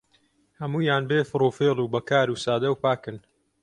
هەموویان بێ فڕوفێڵ و بەکار و سادە و پاکن